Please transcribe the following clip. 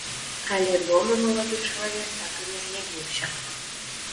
Але дома малады чалавек так і не з'явіўся.